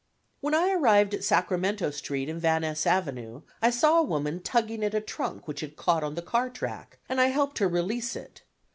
When I arrived at Sacramento Street and Van Ness Avenue I saw a woman tugging at a trunk which had caught on the car track, and I helped her release it.